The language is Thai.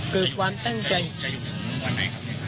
คือความตั้งใจ